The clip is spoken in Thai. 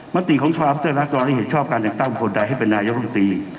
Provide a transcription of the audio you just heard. มติของสภาพุทธรรศดรได้เหตุชอบการแต่งตั้งบุคคลได้ให้เป็นนายธรรมดี